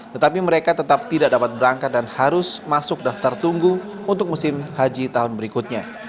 tetapi mereka tetap tidak dapat berangkat dan harus masuk daftar tunggu untuk musim haji tahun berikutnya